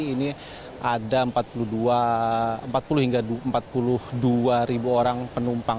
ini ada empat puluh hingga empat puluh dua ribu orang penumpang